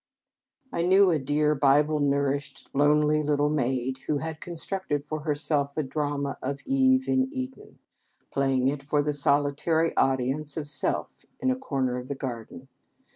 I knew a dear Bible nourished lonely little maid who had constructed for herself a drama of Eve in Eden, playing it for the solitary audience of self in a corner of the garden.